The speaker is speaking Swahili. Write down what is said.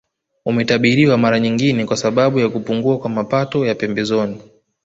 Umetabiriwa mara nyingine kwa sababu ya kupungua kwa mapato ya pembezoni